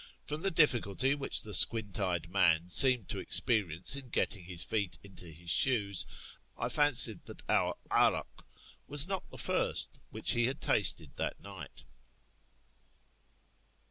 From the dilllculty which the squint eyed man seemed to experience in gettinjj; his feet into his shoes, I fancied that our 'aixik was not the first wliich he had tasted tliat night.